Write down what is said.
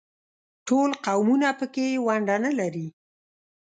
ټول قومونه په کې ونډه نه لري.